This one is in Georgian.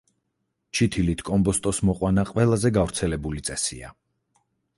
ჩითილით კომბოსტოს მოყვანა ყველაზე გავრცელებული წესია.